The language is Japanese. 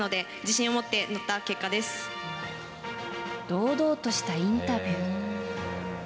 堂々としたインタビュー。